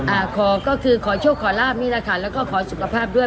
อ่าขอก็คือขอโชคขอลาบนี่แหละค่ะแล้วก็ขอสุขภาพด้วย